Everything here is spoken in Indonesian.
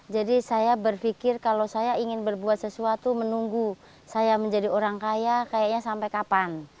jadi saya berpikir kalau saya ingin berbuat sesuatu menunggu saya menjadi orang kaya kayaknya sampai kapan